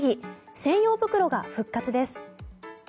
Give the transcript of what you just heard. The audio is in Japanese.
専用袋が復活です。